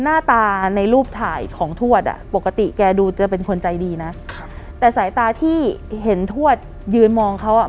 หน้าตาในรูปถ่ายของทวดอ่ะปกติแกดูจะเป็นคนใจดีนะครับแต่สายตาที่เห็นทวดยืนมองเขาอ่ะ